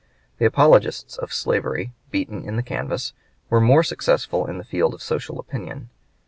The apologists of slavery, beaten in the canvass, were more successful in the field of social opinion.